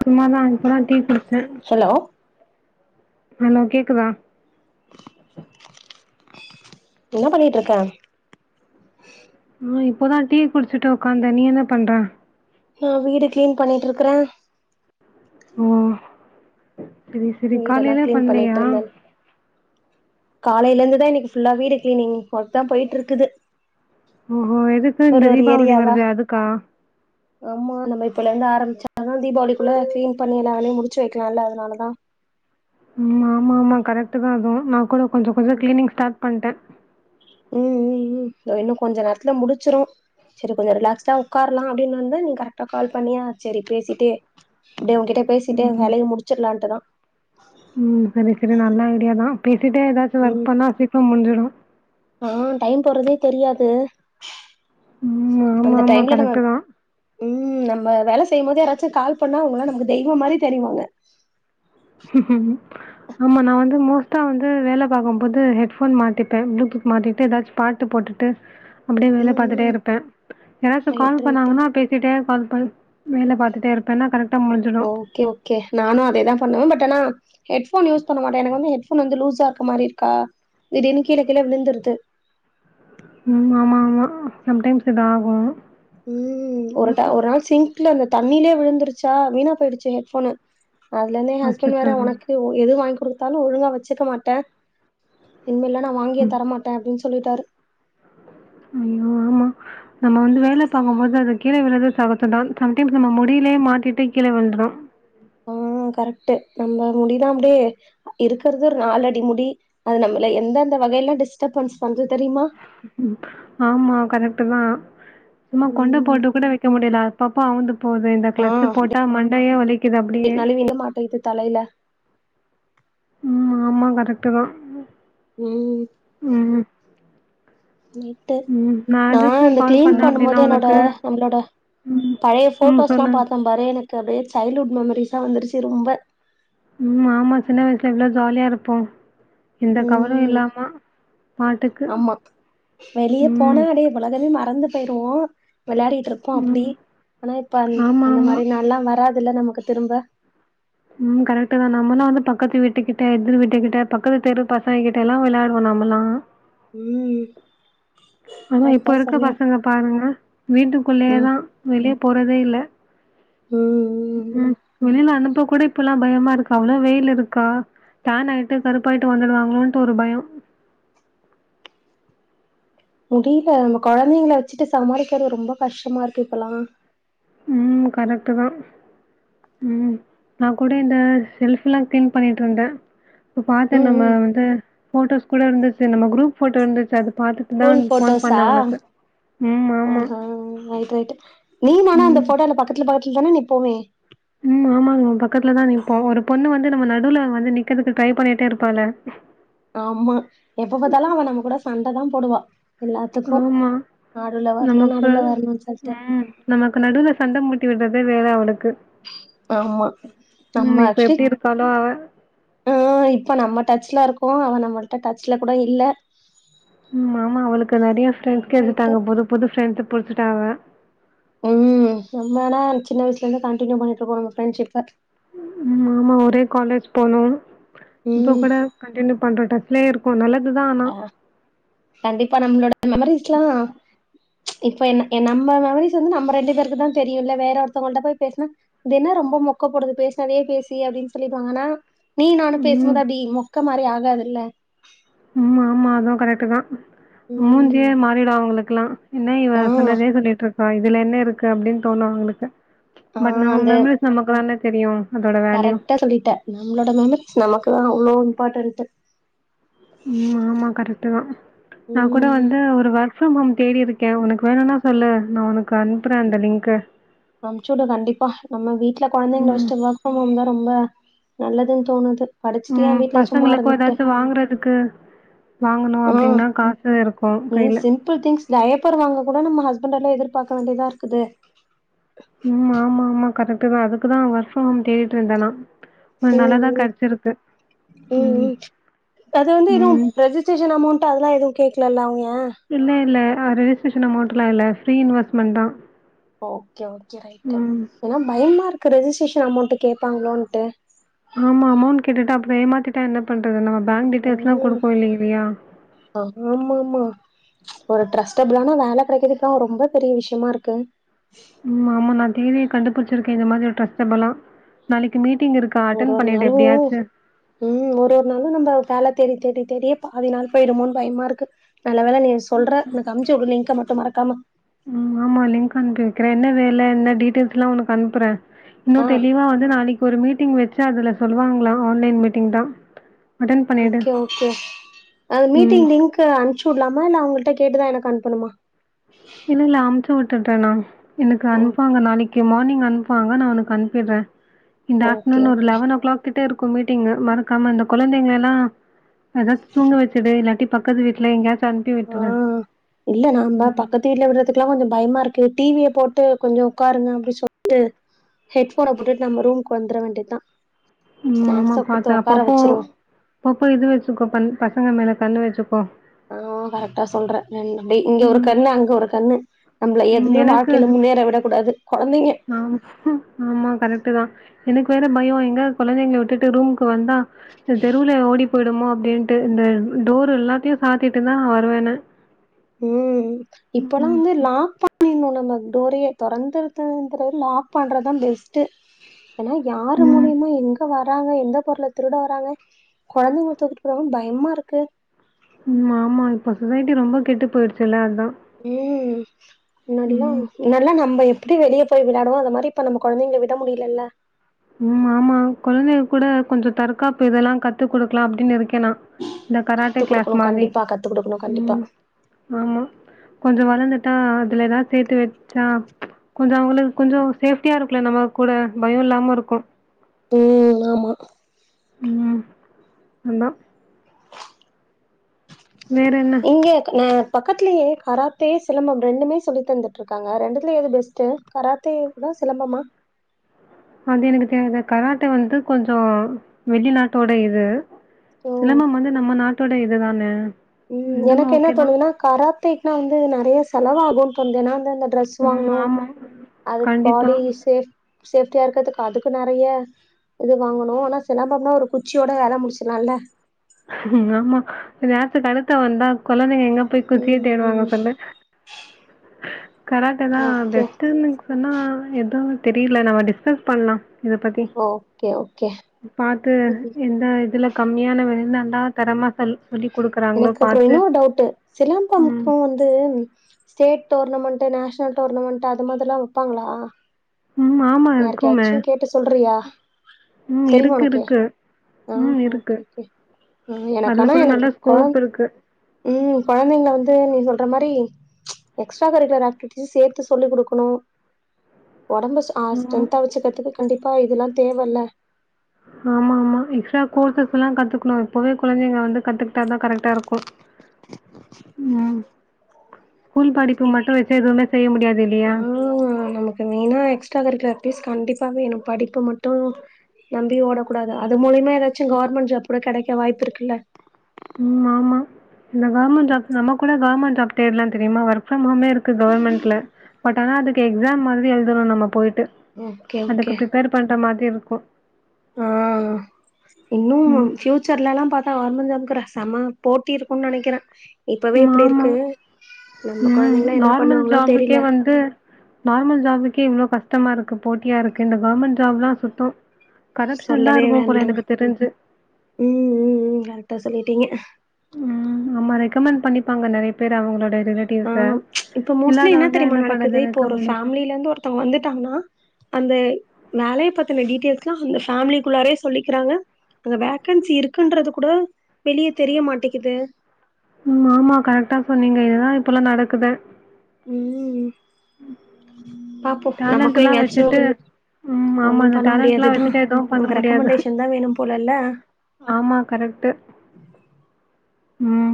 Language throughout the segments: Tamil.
சும்மாதா அதுபுறா டீ குடிச்சே ஹலோ ஹலோ கேக்குதா என்ன பண்ணிட்டு இருக்கே ஆஹ இப்போதா டீ குடிச்சுட்டு உக்காந்த நீ என்ன பண்ற நான் வீடு கிளீன் பண்ணிட்டு இருக்கறே ம் சரி சரி வீடெல்லா காலையிலா கிளீன் பண்ணிட்டு பண்ணலையா இருந்தே காலையில இருந்துதா இன்னைக்கி ஃபுல்லா வீடு கிளீனிங் ஒர்க தா போயிட்டு இருக்குது ஹம் ஓ எதுக்கு ஒரு இந்த ஒரு தீபாவளி ஏரியாவா வருது அதுக்கா ஆமா நம்ம இப்பல இருந்து ஆரம்பிச்சால தா தீபாவளிக்குள்ள கிளீன் பண்ணி எல்லா வேலையு முடிச்சு வைக்கலா இல்ல அதனாலதா ஆமா ஆமா கரெக்ட் தா தோ நா கூட கொஞ்ச கொஞ்ச கிளீன்ங் ஸ்டார்ட் பண்ணிட்ட உம் உம் உம் தொ இன்னு கொஞ்ச நேர் த்ல முடுச்சுரு செரி கொஞ்சொ ரிலாக்ஸ்டா உக்காரலா அப்டின்னொன்த நீ கரெக்டா கால் பண்ணியா சேரி பேசிட்டே அப்டே ஒங்கிட்ட பேசிட்டே வெலைய முடுச்சுர்லான்ட்டுதா உம் சரி செரி நல்ல ஐடியா தா பே சிட்டே எதாச்சு ஒர்க் ம் பண்ணா சீக்ரொம் முஞ்சுரூ ஆ டைம் போறதே தெரியாது ம் ஆமா அந்த ஆமா டைம்ல நம்ம கரெக்ட் தான் உம் நம்ம வேல செய்யும்போது யாராச்சு கால் பண்ணா அவுங்களா நமக்கு தெய்வொம்மாரி தெரிவாங்க ஆமா நா வந்து மோஸ்ட்டா வந்து வேல பாக்கும் போது ஹெட்போன் மாட்டிப்பே ப்ளூடூத் மாட்டிட்டு எதாச்சு பாட்டு போட்டுட்டு அப்டே வேல ம் பாத்துட்டே ம் இருப்பே யாராச்சு ரைட் கால் ரைட்டு பண்ணாங்கன்னா பேசிட்டே கால் பல் வேல பாத்துட்டே இருப்பேன்னா கரக்ட ஓக்கே ஒக்கே நானு அதேதா பண்ணுவ பட் டெனா ஹெட்ஃபோன் யூஸ் பண்ண மாட்டே எனக்கு வந்து ஹெட்போன் வந்து லூஸாருக்க மாரி இருக்கா திடீர்னு கீழ கீழ விழுந்துர்து ஆமா ஆமா ஆமா சம்டைம்ஸ் இது ஆகு உம் ஒருட ஒரு நாள் சிங்க்லருந்த த ண்ணிலே விழுந்துருச்சா வீணா போயிடுச்சு ஹெட்ஃபோனு அதுலந்தே ஹஸ்பண்ட் அச்சச்சோ! வேர ஒனக்கு ஒ எது வாங் குடுத்தாலு ஒழுங்கா வச்சுக்க மாட்டே இனிமெல்லா நா வாங்கியே ம். தரமாட்டே அப்டின் சொல்லிட்டாரு ஐயோ ஆமா நம்ம வந்து வேல பாக்கும் போது அத கீழே விழுந்து சகஜதா சம்டைம்ஸ் நம்ம முடியிலே மாட்டிட்டு கீழ விழுந்துரு ஆ கரெக்ட்டு நம்ம முடிதா அப்டே இருக்கறது ஒர் நாலடி முடி அது நம்மள எந்தந்த வகையெல்லா டிஸ்டர்பன்ஸ் பண்து தெரியுமா ஆமா கரெக்ட்டு தா சும்மா கொண்ட ம் போட்டு கூட வைக்க முடில அ பப்பா அவுந்து போது இந்த க்ளச்சுப் போட்டா மண் டையே வலி நழுவில இது மாட்டு இது தலையில ம் ஆமா கரெக்ட்டு தா ம் உம் உம் நைட்டு நா எதுக்கு இந்த கால் க்ளீன் பண்ணேன் நமக்கு பண்ணும் அப்படின்னா போது என்னோட உனக்கு வீட்ல நம்ளோட ம். பழைய ம். ஃபோட்டோஸ்ல்லா சொல்லு. பாத்தோம்பாரு எனக்கு அதே சைல்ட்ஹுட் மெமரிஸ் செவந்துருச்சு ரொம்ப உம் ஆமா சின்ன வயசுல எவ்ளோ ஜாலியாருப்போ உம் பாட்டுக்கு. ஆமா வெளிய ம். போனா அடியே உலகமே மறந்து போயிருவோ விளையாடிட்டு இருப்போ அப்டி ம். ஆனா இப்ப ஆமா, அந்த ஆமா. மாரி நாள்லா வராதுல்ல நமக்கு திரும்ப உம் கரெக்ட் தா நமல்லாம் வந்து பக்கத்து விட்டுக்கிட்ட எதிர் விட்டுக்கிட்ட பக்கத்து தெரு பசங்கக்கிட்ட எல்லாம் விளையாடுவோம் நம்மல்லாம் ம் ஆனா இப்ப கரெக்டா இருக்க சொன்ன பசங்க பாருங்க வீட்டுக்குள்ளேயே ம் தா வெளியே போறதே இல்ல ம் உம் வெளில அனுப் ப்ப கூட இப்பல்லா பயமா இருக்கு அவ்வளோ வெயில் இருக்கா டேன் ஆயிட்டு கருப்பாயிட்டு வந்துடுவாங்களோன்ட்டு ஒரு பயம் முடியல நம்ம கொழந்தைங்கல வச்சிட்டு சமாளிக்கிறது ரொம்ப கஷ்டமா இருக்கு இப்பல்லா ம் கரெக்ட்டு தா ம் நா கூட இந்த செஷ்ல்ஃபல்லாம் க்ளீன் பண்ணிட்டு இருந்தே இப்ப பாத்தே ம் நம்ம ம் வந்து போட்டோஸ் கூட இருந்துச்சு நம்ம குரூப் போட்டோ இருந்துச்சு அது பார்த்துட்டு தான் ஃபோன் போட்டோஸா பண்ணேன் உனக்கு. ம். ஹ ஆமா. ஹ ரைட் ரைட் நீ ஆனா அந்த ம். போட்டோல பக்கத்தில பக்கத் கீதான நிப்போமே ம் ஆமாங்க பக்கத்துலதா நிப்போ ஒரு பொண்ணு வந்து நம்ம நடுல வந்து நிக்கதுக்கு ட்ரை பண்ணிட்டே இருப்பால ஆமா எப்ப பாத்தாலு அவ நம்ம கூட சண்ட தான் போடுவா எல்லாத்துக்கு ஆமா நடுல வரணு நமக்கு நடுல வரணுன்னு சொல்ட்டு உம் நமக்கு நடுவுல சண்ட மூட்டி விடுறது தே வேல அவனுக்கு ஆமா நம்ம ஆக்சுவலி எப்டி இருக்காளோ அவ. ஆஹ் இப்ப நம்ம டச்ல இருக் கோ அவ நம்மள்ட்ட டச்ல கூட இல்ல மாமா அவளுக்கு நெறைய ஃப்ரண்ட்ஸ் ரைட்டு கெடச்சிட்டாங்க புது புது ஃப்ரண்ட் பொறுச்சுட்டாவ உம் நம்மனா சின்ன வயசுல இருந்து கண்டினியூ பண்ணிட்டு இருக்கோ நம்ம ஃப்ரெண்ட்ஷிப்ப ம் ஆமா ஒரே காலேஜ் போனோ ப்போ ம் கூட கண்டினியூ பண்ற டக் லே இருக்கு நல்லது அ கண்டிப்பா நம்மளோட மெமரிஸ்லா ப்ச் இப்ப என் என்ன நம்ம மெமரீஸ் வந்து நம்ம ரெண்டு பேருக்குதா தெரியுல்ல வேற ஒருத்தவங்கள்ட்ட போய் பேசுனா இது என்ன ரொம்ப மொக்கப்போடுது பேசினதே பேசி அப்படின்னு சொல்லிடுவாங்கனா நீ நானும் ம். பேசும்போது அப்படி மொக்க மாரி ஆகு ஆகாதுல ம் மாமா அதுவு கரெக்ட்தா மூஞ்சியே ம் மாறிடு அவங்களுக் க்லா என்ன இவ ஆ சொன்னதே சொல்லிட்டு இருக் ஆ இதுல என்ன இருக்கு அப்டின் தோணு உங்களுக்கு ஆ பட் நம்ம அந்த மெமரிஸ் நம்மக்கு தான தெரியு கரெக்டா சொல்லிட்ட நம்ளோட மெமரிஸ் நமக்கு தா எவ்ளோ இம்பார்டருட்ட் ம் ஆமா கரெக்ட்டு தா நா கூட ம் வந்து ஒரு வா [unintelligible] தேடிருக்கே ஒனக்கு வேணுனா சொல்லு நா ஒனக்கு அனுப்றே அந்த லிங்க்கு அனுப்சிவுடு கண்டிப்பா நம்ம வீட்ல கொழந்தைங்கல ம். வச்சிட்டு ஒர்க் ஃப்ரம் ஹோம் தா ரொம்ப நல்லதுன் தோணுது படிச்சுட்டு உம் ஏன் வீட்ல சும்மா பசங்களுக்கு ஏதாச்சு வாங்குறதுக்கு வாங்கணும் உம் அப்டின்னா காசு இருக்கும் நீ கையில. சிம்பிள் திங்ஸ் டயாபர் வாங்க கூட நம்ம ஹஸ்பண்ட்லா எதிர் பாக்க வேண்டியதா இருக்குது ம் ஆமா ஆமா கரெக்ட் தா அதுக்குதா ஒர்க் ஃப்ரம் தேடிட்டு இருந்த நா உம் உம் உம் ம். உம் அது வந்து இது ம். ரெஜிஸ்டரேஷன் அமௌண்ட் அதெல்லா எதுவும் கேக் இல்லல்ல அவுங்க இல்ல இல்ல ஆ ரெஜிஸ்ட்ரேஷன் அமௌன்ட்லா இல்ல ஃப்ரீ இன்வெஸ்மெண்ட்தா ஓகே ஓகே ரைட்டு ஏன்னா பயமா இருக் கு ரெஜிஸ்ட்ரேஷன் அமௌண்ட்டு கேப்பாங்களோன்ட்டு ஆமா அமௌண்ட் கேட்டுட்டு அப்றோ ஏமாத்திட்டா என்ன பண்றது நா பேங்க் டீட்டெல்ஸ்லா ம் குடுப்போ இல்லி இல்லயா ஆமா ஆமா ஒரு ட்ரஸ்டபுல்லான வேல கெடைக்கறது தா ரொம்ப பெரிய விஷ்யமாருக்கு ம் ஆமா நா டிவி கண்டுபுடிச்சிருக்கே இந்த மாரி ஒரு ட்ரெஸ்ஸபலா நாளைக்கு மீட் ஒரு ஒரு நாளு ம் ஒரு ஒரு நாளு நம்ப வேலை தேடி தேடி இதுலேயே பாதி நாள் போயிடுமோனு பயமா இருக்கு நல்ல வேலை நீ சொல்ற எனக்கு அனுப்ச்சிவிடு லிங்க்க மட் [unintelligible] மறக்காம ம் ஆமா லிங்க் அனுப்பி வைக்கிறே என்ன வேலை என்ன டீட்டெயில்ஸ்லா உனக்கு அனுப்புறே இன்னு ஆ தெளிவா வந்து நாளைக் ஒரு மீட்டிங் வெச்சு அதுல சொல்லுவாங்களா ஆன்லைன் மீட்டிங்தா ஓகே ஓகே அது மீட்டிங் ம். லிங்க் அனுப்ச்சு விடலாமா இல்ல அவங்க கிட்ட கே கேட்டுதா எனக்கு அனுப்பனுமா இல்லல்ல அம்ச் சு வுட்டுட்டே நா எனக்கு அனுப்புவாங்க ஓகே நாளைக்கி மார்னிங் அன் ப்புவாங்க நா ஒனக்கு அனுப்பியற இந்த ஓகே ஆஃப்டநூன் ஒரு ஓகே லெவன் ஓ கிளாக் கிட் ட்டே இருக்கு மீட்டிங்கு மறக்காம இந்த கொழந்தைங்கலெல்லா எதா தூங்க வச்சுடு இல்லாட்டி பக்கத்து வீட்ல எங்காசு ஆஹ் இல்ல நாம்ப பக்கத்து வீட்ல விடுற துக்கெல்லா கொஞ்சோ பயமா இருக்கு டிவிய போட்டு கொஞ்சோ உட்காருங்க அப்டினு சொல்டு ஹெட்போன போட்டுட்டு நம்ம ரூமுக்கு வந்துர வேண்டியதா உம் ஸ்நாக்ஸ ஆமா குடுத்து பாத்த உட்கார அப்பப்போ வச்சிருவோ அப்பப்போ இது வச்சுக்கோ பண் பசங்க மேல கண்ணு வச்சுக்கோ ஆ கரெக்டா சொல்ற ரெண் அப்டி இங்க ஒரு ம் கண்ணு அங்க ஒரு கண்ணு நம்மள எதுலயு வாழ்க்கைல முன்னேற விடக் கூடாது ஆம் ஆமா கரக்ட் டுதா எனக்கு வேற பயோ எங்க கொழந்தைகள விட்டுட்டு ரூம்க்கு கு வந்தா ந்த தெருவுல ஓடிப் போய்டுமோ அப்டின்ட்டு இந்த டோர் எல்லாத்தையு சாத்திட்டுதா வருவனே உம் இப்பல்லா வந்து லாக் பண்ணிரனு நம்ம டோரையே தொறந்துறது லாக் பண்றதுதா பெஸ்ட்டு எனா யாரு ம் மூலியமா எங்க வர வராங்க எந்த பொருள திருட வராங்க கொழந்தைங்கள தூக்கிட்டு போறங்க பயமா இருக்கு உம் ஆமா இப்ப சொசைட்டி ரொம்ப கெட்டு போயிடுச்சுல்ல அது உம் முன்னாடிலா ம் முன்னாடியெல்லா நம்ம இப்டி வெளிய போய் விளையாடுவோ அது மாரி இப்ப நம்ம கொழந்தைங்கள விட முடியலல்ல உம் ஆமா கொழந்தைங்க கூட கொஞ்சோ தற்காப்பு இதெல்லா கத்து குடுக்கலா அப்டின்னு இருக்கே நா இந்த கராத்தே கத்து கிளாஸ் குடுக்கணு மாரி கண்டிப்பா கத்து குடுக்கணு கண்டிப்பா உம் ஆமா கொஞ்சோ வளந்து அதுல எதா சேத்து வச்சா கொஞ்சோ அவங்ளுக்கு கொஞ்சோ சேஃப்டியா இருக்குல நம்ம கூட பயோ இல்லாம இருக்கு கோ உம் உம் அதா இங்கயே கொண்னா பக்கத்துலையே கராத்தே சிலம்பம் ரெண்டுமே சொல்லி தந்துட்டு இருக்காங்க ரெண்டுத்துல எது பெஸ்ட்டு கராத்தே தா சிலம்பமா அது எனக்கு தெரியாது கராத்தே வந்து கொஞ்சோ வெளிநாட்டோட இது ஓ சிலம்பம் வந்து நம்ம நாட் நாடோட இதுதானே உம் எனக்கு என்ன தோணுதன்னா கராத் த்தே நா வந்து நெறைய செலவாகுன்னு தோனுது நா வண்ட்டு அந்தந்த ட்ரெஸ் ம். வாங்கணு ஆமா. அதுக்கு கண்டிப்பா. பாடி சேஃப் சேஃப்டியா இருக்கிறதுக்கு அதுக்கு நெறைய இது வாங்கணு ஆனா சிலம்பம்னா ஒரு குச்சியோட வேல முடிச்சலாம்ல்ல கணத்த வந்தா குழந்தை போய் குச்சிய தேடுவாங்க ம் சொல்லு ஓகே தெரியல நம்ம டிஸ்கஸ் பண்ணலா இத பத்தி ஓகே ஓகே பாத்து ம் எந்த இதுல கம்மியான வில நல்லா தரமாதல் எனக்கு அப்புற இன்னு டவுட் ம். சிலம்பம்ப்க வந்து ஸ்டேட் டோர்னமெண்டட் நேஷ்னல் டூர்னமெண்ட் அது மாதிர எல்லா வெப்பாங்களா ம். ஆமா இருக்குமே. யாருக்குாச்சு கேட்டு சொல்றியா ம். தெரியுமா இருக்கு உனக்கே இருக்கு. ஆஹ்ஹ ம். இருக்கு. ஓகே ஓகே அதுல எனக்கனா கூட எனக்கு நல்ல கொழந்த ஸ்கோப் இருக்கு. உம் கொழந்தைங்கள வந்து நீ சொல்ற மாரி எக்ஸ்ட்ரா கரிகுலர் ஆக்டிவி சேத்து சொல்லி கொடுக்கணு ஒடம்பு அ ஆமா. ஸ்டரென்தா வச்சுக்கிறதுக்கு கண்டி ப்பா இதெல்லா தேவல்ல ஆமா ஆமா எக்ஸ்ட்ரா கோர்சஸ் எல்லா கத்துக்கணு இப்பவே கொழந்தைங்க வந்து கத்துக்கிட்டா தா கரெக்டா இருக்கு உம் எதுவுமே செய்ய முடியாது இல்லையா? ஆஹ் நமக்கு மெய்ன எக்ஸ்ட்ரா கரிகுலர் [unintelligible] கண்டிப்பா வேணு படிப்பு மட்டும் நம்பி ஓடக்கூடாது அது மூலை ஏதாச்சு கவர்மென் ஜாப் கூட கெடைக் இப்ப வாய்ப்பு இருக்குல்ல உம் ஆமா இந்த கவர்மெண்ட் ஜாப் நம்ம கூட கவர்மெண்ட் ஜாப் தேடுலாம் தெரியுமா ஒர்க் ஃப்ரம் ஹோமே இருக்கு கவர்மெண்ட்ல பட் ஆனா அதுக்கு எக்ஸாம் மாத்ரி எழுதுணும் நம்ம போய்ட் டு ஓகே அதுக்கு பிப்பேர் பண்ற மாத் திருக்கு ஆஹ் இன்னும் ம். பியூச்சர்ல எல்லா பாத்தா கவ்மெண் ஜாப்க்கு புர செம போட்டி இருக்குன்னு நெனைக்கிறே இப்பவே இப்டி ஆமா. இருக்கு நம்ம ம். கொழந்தைல்லா என்னா நார்மல் பண்ணுவாங்களோ தெரியில கே இவ்ளோ கஷ்டமா இருக்கு போட்டியா இருக்கு இந்த கவர்மெண்ட் ஜாப்ல்லாம் சுத்தம் கரப்ஷன் தான் சொல்லவே இருக்கும் போல வேண்டா எனக்கு தெரிஞ்சு. உம் உம் உம் கரெட்ட சொல்லிட்டீங்க ம் ஆமா ரெக்கமெண்ட் பண்ணிப்பாங்க நறைய பேரு அவ்ங்களோட ஆஹ் இப்ப மோஸ்ட்லி என்ன தெரியுமா நடக்குது பண்றது இப்ப ஒரு ரெக்கமெண்டேஷன். ஃபேமிலில இருந்து ஒருத்தவங்க வந்துட்டாங்கன்னா அந்த வேலைய பாத்தின டீட்டெல்ஸ் எல்லாம் அந்த ஃபேமிலிக்குள்ளாரே சொல்லிக்கிறாங்க அங்க வேக்கன்சி இருக்குன்றது கூட வெளியே தெரிய மாட்டக்கிது உம் ஆமா கரெக்டா சொன்னீங்க இதுதா இப்பெல்லா நடக்குது உம் பாப்போ நமக்கும் டேலண்ட்லாம் எங்காச்சும் வச்சுட்டு வரும் ம் ஆமா ஒண்ணும் அந்த பண்ண டேலண்ட்லாம் முடியாதுதா வச்சுட்டு எதுவும் பண்ண நமக்கு முடியாது. ரெக்கமண்டேஷன் தா வேணு போல இல்ல ஆமா கரெக்டு உம்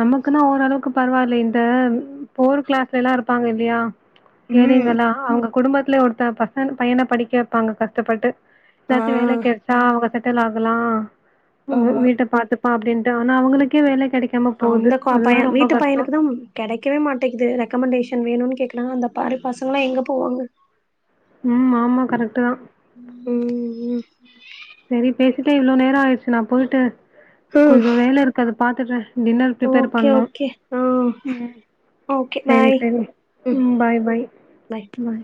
நமக்குன்னா ஓர் அளவுக் கு பரவால்ல இந்த புவர் கிளாஸ்ல எல்லா இருப்பாங்க இல்லையா ம் ஏழைங்கெல்லா அவ்ங்க குடும்பத்துல ஒருத்த பசங் பையன படிக்க வைப்பாங்க கஷ்டப்பட்டு ஆ எதாச்சி வேலை கெடைச்ச அவ்ங்க செட் டிலாகலாம் [unintelligible] ஆமா வீட்ட பாத்து அப்டின்ட்டு ஆனா அவ்களுக்கே வேலை கெடைக் அந்த கொ பையன் வீட்டு பையனுக்கு தா கெடைக்கவே மாட்டேக்குது ரெக்கமண்டேஷன் க்ஷன் வேணும்னு கேக்குனா அந்த பாரி பாசங்கன்னா எங்க போவாங்க உம் ஆமா கரெக்டு தா ம் இதுக்கே இவ்ள நேர ஆய்டுச் செர் நா போயிட்டு ம் கொஞ்சோ வேல இருக்கு அதப் பாத்துட்றேன் டின்னர் ப்ரிப்பேர் ஓகே பண்ணும் ஓகே ஆ ம் ஓகே சரி பாய் சரி ம் பாய் பாய் பாய்